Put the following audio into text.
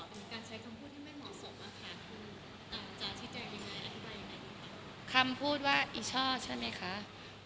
คุณการใช้คำพูดที่ไม่เหมาะสดคุณอาจารย์ธิจัยหรือไนธาบรายยังไง